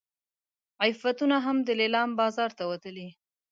عفتونه هم د لیلام بازار ته وتلي.